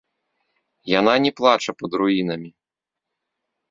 Яна не плача пад руінамі.